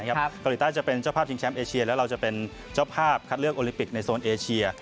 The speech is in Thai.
เกาหลีใต้จะเป็นเจ้าภาพชิงแชมป์เอเชียแล้วเราจะเป็นเจ้าภาพคัดเลือกโอลิปิกในโซนเอเชีย